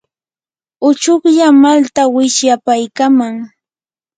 uchuklla malta wichyapaykaaman.